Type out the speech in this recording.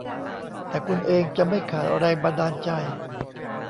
แต่คุณเองจะไม่ขาดแรงบันดาลใจ